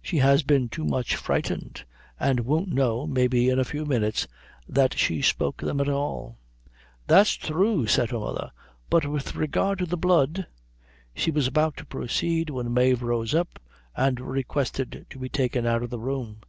She has been too much frightened, and won't know, maybe in a few minutes, that she spoke them at all." "That's thrue," said her mother; "but with regard to the blood " She was about to proceed, when Mave rose up, and requested to be taken out of the room.